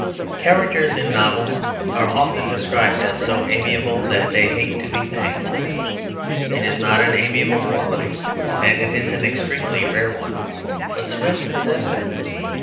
Characters in novels are often described as so amiable that they hate to be thanked. It is not an amiable quality, and it is an extremely rare one; but Swift possessed it.